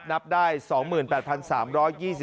นับได้๒๘๓๒๕เมตร